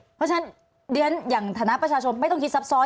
เพราะฉะนั้นอย่างฐานะประชาชนไม่ต้องคิดซับซ้อน